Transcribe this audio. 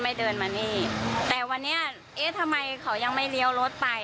เดินมานี่แต่วันนี้เอ๊ะทำไมเขายังไม่เลี้ยวรถไป